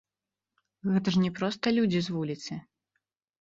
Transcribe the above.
Гэта ж не проста людзі з вуліцы.